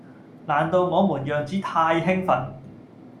難道我們樣子太興奮